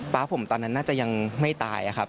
๊าผมตอนนั้นน่าจะยังไม่ตายครับ